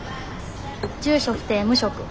住所不定無職。